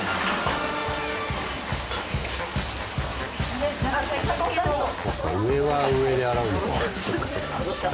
そっか上は上で洗うのか。